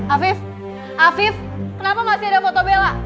afif afif kenapa masih ada foto bella